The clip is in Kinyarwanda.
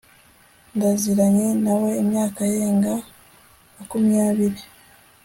ndaziranye nawe imyaka irenga makumyabiri